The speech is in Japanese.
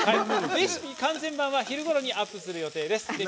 レシピ完全版は昼ごろにアップする予定です。